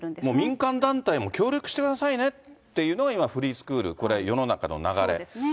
民間団体も協力してくださいねっていうのが、今、フリースクそうですね。